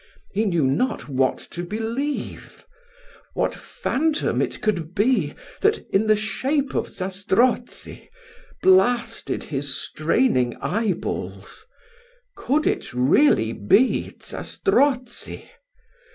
He knew not what to believe what phantom it could be that, in the shape of Zastrozzi, blasted his straining eye balls Could it really be Zastrozzi?